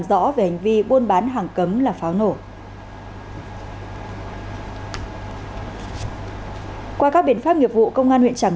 rõ về hành vi buôn bán hàng cấm là pháo nổ qua các biện pháp nghiệp vụ công an huyện tràng